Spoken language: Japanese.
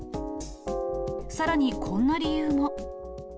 さらに、こんな理由も。